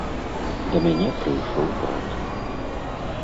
Да мяне прыйшоў брат.